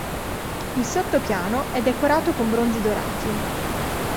Il sotto-piano è decorato con bronzi dorati.